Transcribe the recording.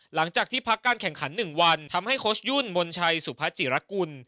หลังจากที่พักการแข่งขัน๑วันทำให้โค้ชยุ่นมนชัยสุภาจิรกุล